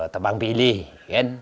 teman pilih kan